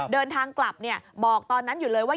เดินทางกลับบอกตอนนั้นอยู่เลยว่า